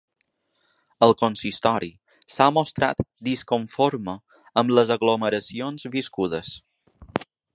El consistori s’ha mostrat ‘disconforme’ amb les aglomeracions viscudes.